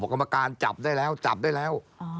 กรรมการจับได้แล้วจับได้แล้ว